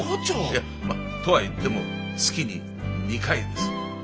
いやまあとはいっても月に２回です。